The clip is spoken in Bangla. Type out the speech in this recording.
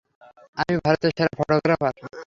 আমি ভারতের সেরা ফটোগ্রাফার।